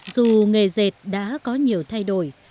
dù nghề dệt đã có nhiều thay đổi